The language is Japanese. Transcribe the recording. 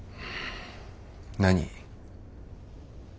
何？